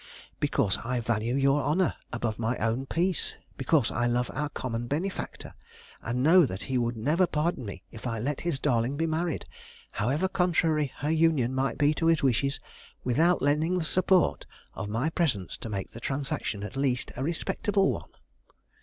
"Because I value your honor above my own peace. Because I love our common benefactor, and know that he would never pardon me if I let his darling be married, however contrary her union might be to his wishes, without lending the support of my presence to make the transaction at least a respectable one."